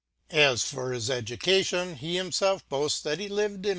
As for his Education, he himfelf * boafts that he lived in